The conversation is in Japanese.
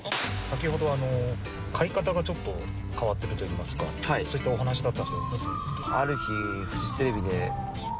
先ほど買い方がちょっと変わってるといいますかそういったお話だったと。